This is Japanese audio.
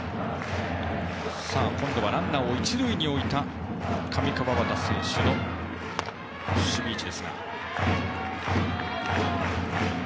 今度はランナーを一塁に置いての上川畑選手の守備位置。